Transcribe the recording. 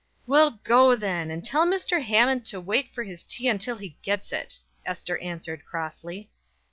"Well, go then, and tell Mr. Hammond to wait for his tea until he gets it!" Ester answered, crossly.